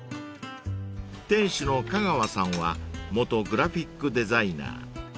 ［店主のかがわさんは元グラフィックデザイナー］